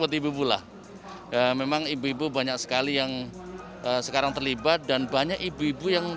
terima kasih ibu pula memang ibu ibu banyak sekali yang sekarang terlibat dan banyak ibu ibu yang